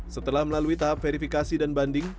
setelah melalui tahap verifikasi dan banding